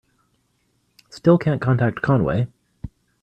Still can't contact Conway.